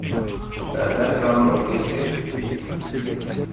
Un album en est extrait.